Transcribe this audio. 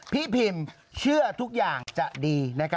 พี่พิมเชื่อทุกอย่างจะดี